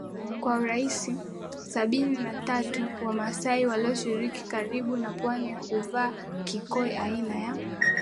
kwa urahisi Sabini na tatu Wamasai wanaoishi karibu na pwani huvaa kikoi aina ya